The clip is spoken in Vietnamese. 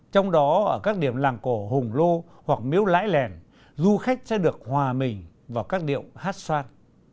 trong đó ở các điểm làng cổ hùng lô hoặc miếu lãi lèn du khách sẽ được hòa mình vào các điệu hát xoan